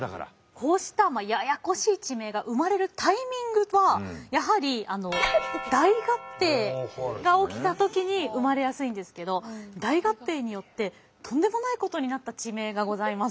こうしたややこしい地名が生まれるタイミングはやはり大合併が起きた時に生まれやすいんですけど大合併によってとんでもないことになった地名がございます。